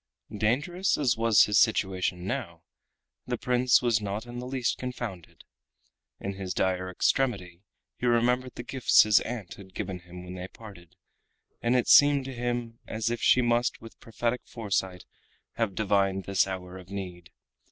Dangerous as was his situation now, the Prince was not in the least confounded. In his dire extremity he remembered the gifts his aunt had given him when they parted, and it seemed to him as if she must, with prophetic foresight, have divined this hour of need.